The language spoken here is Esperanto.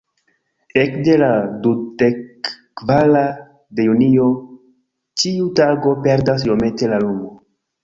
Ekde la dudekkvara de junio, ĉiu tago perdas iomete da lumo.